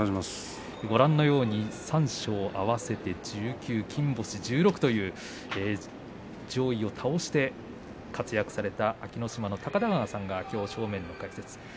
ご覧のように三賞合わせて１９回金星１６という上位を倒して活躍された安芸乃島の高田川さんがきょう解説です。